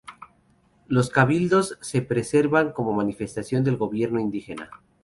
Los cabildos se preservan como manifestación del gobierno indígena.